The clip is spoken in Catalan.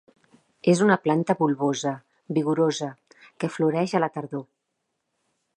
És una planta bulbosa, vigorosa, que floreix a la tardor.